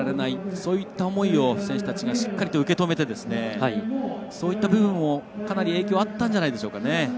そういった思いを選手たちがしっかり受け止めてそういった部分もかなり影響あったんじゃないですかね。